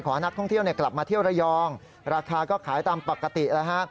นักท่องเที่ยวกลับมาเที่ยวระยองราคาก็ขายตามปกติแล้วฮะ